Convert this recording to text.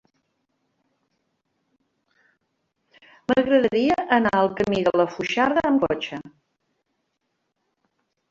M'agradaria anar al camí de la Foixarda amb cotxe.